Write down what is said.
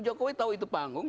jokowi tahu itu panggung